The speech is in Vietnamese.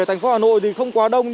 thành phố hà nội thì không quá đông